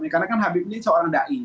karena habib ini seorang da'i